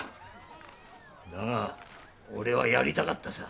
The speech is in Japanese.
だが俺はやりたかったさ。